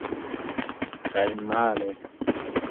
Kaj male.